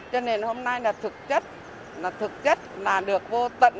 cho nên hôm nay là thực chất là thực chất là được vô tận